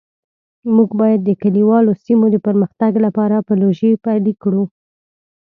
موږ باید د کلیوالو سیمو د پرمختګ لپاره پروژې پلي کړو